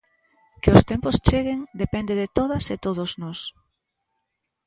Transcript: Que os tempos cheguen depende de todas e todos nós.